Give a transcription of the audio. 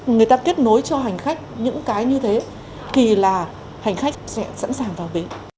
người ta kết nối cho hành khách những cái như thế thì là hành khách sẽ sẵn sàng vào bến